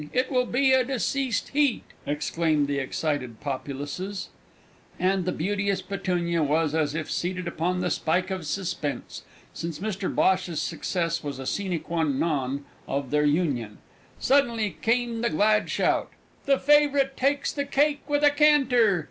It will be a deceased heat!" exclaimed the excited populaces. And the beauteous Petunia was as if seated upon the spike of suspense, since Mr Bhosh's success was a sine quâ non to their union. Suddenly came the glad shout: "The Favourite takes the cake with a canter!"